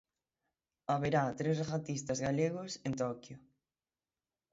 Haberá tres regatistas galegos en Toquio.